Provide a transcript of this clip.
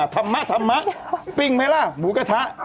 ทำมะทำมะปิ้งมั้ยล่ะหมูกระทะ